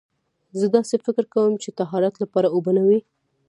زه داسې فکر کوم چې طهارت لپاره اوبه نه وي.